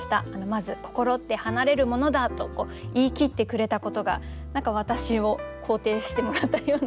まず「心って離れるものだ」と言い切ってくれたことが何か私を肯定してもらったような。